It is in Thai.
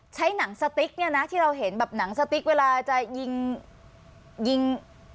หนังสติ๊กเนี่ยนะที่เราเห็นแบบหนังสติ๊กเวลาจะยิงยิง